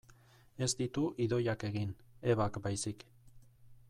Ez ditu Idoiak egin, Ebak baizik.